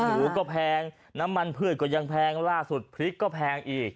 หมูก็แพงน้ำมันพืชก็ยังแพงล่าสุดพริกก็แพงอีก